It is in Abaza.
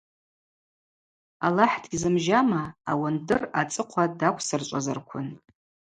Аллахӏ дгьзымжьама ауандыр ацӏыхъва даквсырчӏвазарквын.